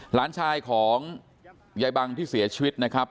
หลานชายของยายบังที่เสียชีวิตนะครับ